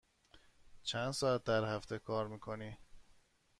چند ساعت در هفته کار می کنی؟